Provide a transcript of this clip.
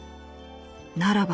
ならば。